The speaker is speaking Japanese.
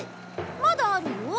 まだあるよ。